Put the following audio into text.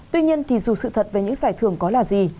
tuy nhiên thì dù sự thật về những giải thưởng có là gì